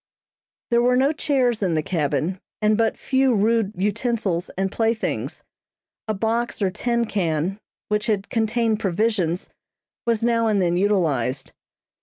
There were no chairs in the cabin, and but few rude utensils and playthings. A box or tin can, which had contained provisions, was now and then utilized.